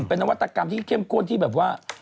เป็นนวัตกรรมที่เข้มข้นที่แบบว่า